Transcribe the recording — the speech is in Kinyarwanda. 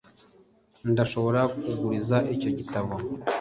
ndashobora kuguriza icyo gitabo.